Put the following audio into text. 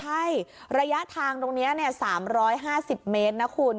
ใช่ระยะทางตรงนี้๓๕๐เมตรนะคุณ